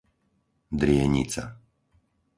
Drienica